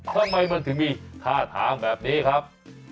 ทำไมมันถึงมีท่าทางแบบนี้ครับ